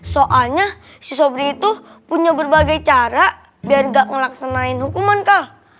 soalnya si sobri itu punya berbagai cara biar gak ngelaksanain hukuman kah